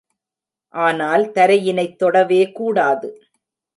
ஆனால் தரையினைத் தொடவே கூடாது.